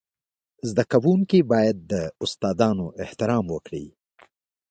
زده کوونکي باید د استادانو احترام وکړي.